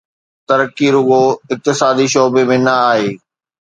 ترقي رڳو اقتصادي شعبي ۾ نه آهي.